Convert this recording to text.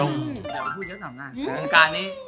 โรงการนี้